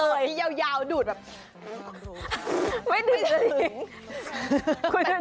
เล่านี้ยาวยาวดูดแบบ